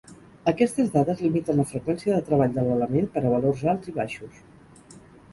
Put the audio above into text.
Aquestes dades limiten la freqüència de treball de l'element per a valors alts i baixos.